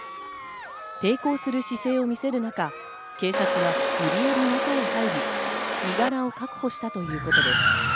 抵抗する姿勢を見せる中、警察は無理やり中へ入り、身柄を確保したということです。